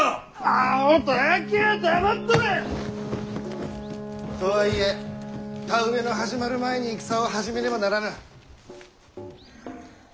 あほたわけは黙っとれ！とはいえ田植えの始まる前に戦を始めねばならぬ。